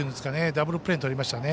ダブルプレーにとりましたね。